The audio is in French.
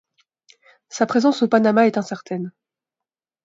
Sa présence au Panama est incertaine.